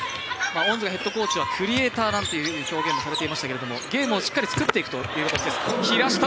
恩塚ヘッドコーチはクリエーターなんていう表現もされていましたけれどもゲームをしっかり作っていくという形です。